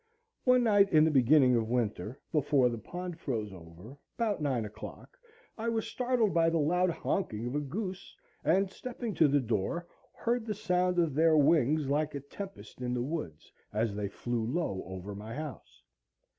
One night in the beginning of winter, before the pond froze over, about nine o'clock, I was startled by the loud honking of a goose, and, stepping to the door, heard the sound of their wings like a tempest in the woods as they flew low over my house.